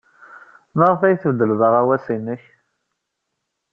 Maɣef ay tbeddled aɣawas-nnek?